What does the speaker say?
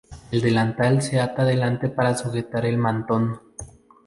El delantal se ata delante para sujetar el mantón.